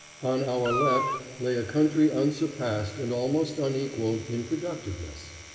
On our left lay a country unsurpassed, and almost unequaled, in productiveness.